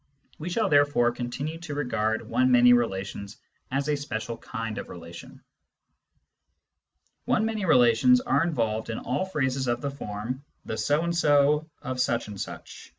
We shall there fore continue to regard one many relations as a special kind of relations. One many relations are involved in all phrases of the form " the so and so of such and such."